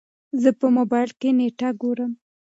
زه په موبايل کې نېټه ګورم.